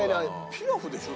ピラフでしょ？